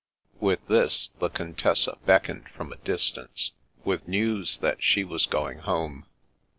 With this, the Contessa beckoned from a dis tance, with news that she was going home.